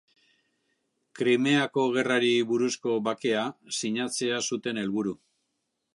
Krimeako Gerrari buruzko bakea sinatzea zuten helburu.